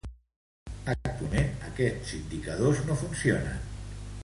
Actualment aquests indicadors no funcionen.